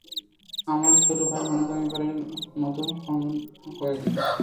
আমাদের ছোটো ভাই মনে করে এবারের মতো ক্ষমা করে দিন।